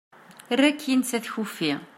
err akin s at kufi